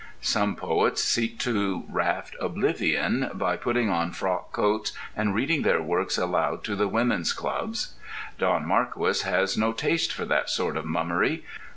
Some poets seek to raft oblivion by putting on frock coats and reading their works aloud to the women's clubs. Don Marquis has no taste for that sort of mummery.